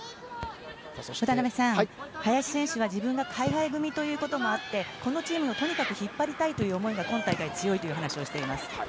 渡辺さん、林選手は自分が海外組ということもありこのチームをとにかく引っ張りたいという思いが今大会強いという話をしています。